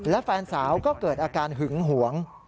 และแฟนสาวก็เกิดอาการหึงหวง